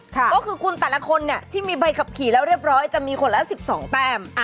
ก็คือคุณแต่ละคนเนี่ยที่มีใบขับขี่แล้วเรียบร้อยจะมีคนละ๑๒แต้ม